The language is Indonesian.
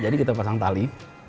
jadi kita pasang tali